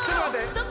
どこ？